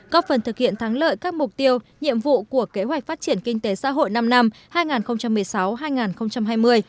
góp phần thực hiện thắng lợi các mục tiêu nhiệm vụ của kế hoạch phát triển kinh tế xã hội năm năm hai nghìn một mươi sáu hai nghìn hai mươi